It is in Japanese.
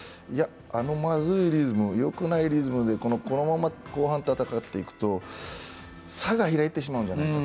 あのまずいリズム、よくないリズムでこのまま後半戦っていくと、差が開いてしまうんじゃないか。